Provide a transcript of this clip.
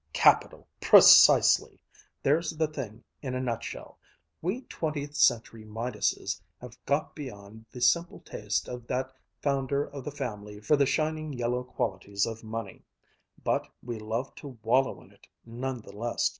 "Capital! Precisely! There's the thing in a nutshell. We twentieth century Midases have got beyond the simple taste of that founder of the family for the shining yellow qualities of money, but we love to wallow in it none the less.